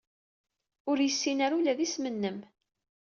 Ur yessin ara ula d isem-nnem.